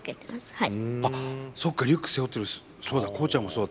はい。